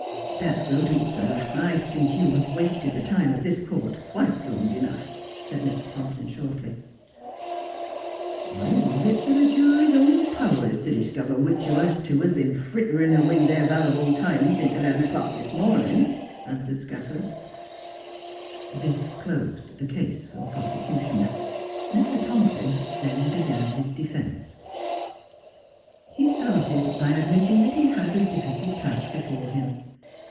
' That will do, sir ; I think you have wasted the time of this Court quite long enough,' said Mr. Tomplin shortly. ' I leave it to the jury's own powers to diskiver which of us two has been a fritterin' away their valuable time since eleven o'clock this morning,' answered Scaffers. This closed the case for the prosecution. Mr. Tomplin then began his defence. He started by admitting that he had a difficult task before him.